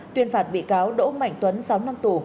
tuyên phạt bị cáo đỗ mạnh tuấn sáu năm tù